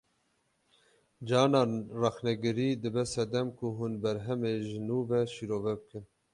Carna rexnegirî dibe sedem ku hûn berhemê ji nû ve şîrove bikin